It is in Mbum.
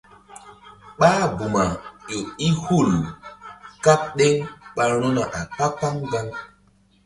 Ɓáh buma ƴo i hul kaɓ ɗeŋ ɓa ru̧na a kpa-kpaŋu gaŋ.